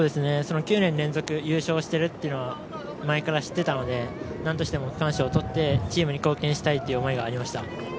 ９年連続優勝しているというのは前から知っていたので、なんとしても区間賞を取ってチームに貢献したいという思いがありました。